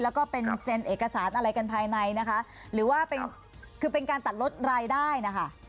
แล้วก็เป็นเซ็นเอกสารอะไรกันภายในนะคะหรือว่าเป็นคือเป็นการตัดลดรายได้นะคะ